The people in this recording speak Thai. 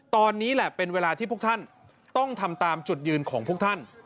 ตอนนี้แหละเป็นเวลาที่พวกท่านต้องทำตามจุดยืนของพวกท่าน